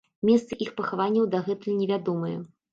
Месцы іх пахаванняў дагэтуль не вядомыя.